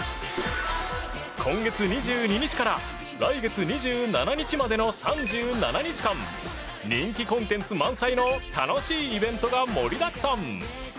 今月２２日から来月２７日までの３７日間人気コンテンツ満載の楽しいイベントが盛りだくさん！